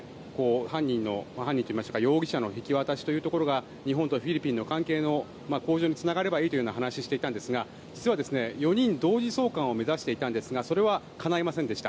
容疑者の引き渡しというところが日本とフィリピンの関係の向上につながればいいという話をしていたんですが実は４人同時送還を目指していたんですがそれはかないませんでした。